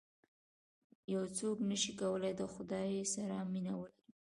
یو څوک نه شي کولای د خدای سره مینه ولري.